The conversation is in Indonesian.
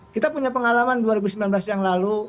kita punya pengalaman dua ribu sembilan belas yang lalu